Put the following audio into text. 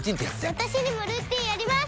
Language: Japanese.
私にもルーティンあります！